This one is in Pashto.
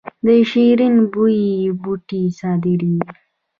د شیرین بویې بوټی صادریږي